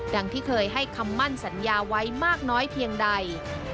ที่เคยให้คำมั่นสัญญาไว้มากน้อยเพียงใด